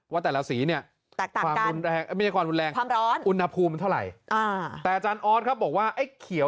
ว่าแต่ละสีเนี่ย